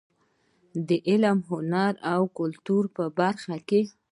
د علم، هنر او کلتور په برخه کې.